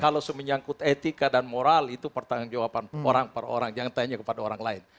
kalau menyangkut etika dan moral itu pertanggung jawaban orang per orang jangan tanya kepada orang lain